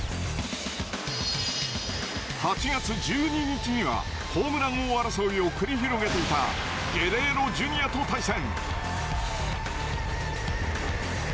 ８月１２日にはホームラン王争いを繰り広げていたゲレーロＪｒ．と対戦。